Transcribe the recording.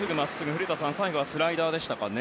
古田さん最後はスライダーでしたかね。